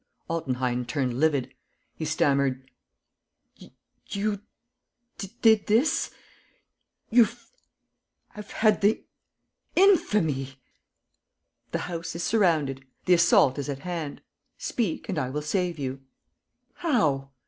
Altenheim turned livid. He stammered: "You did this? ... You have had the infamy ..." "The house is surrounded. The assault is at hand. Speak ... and I will save you." "How?"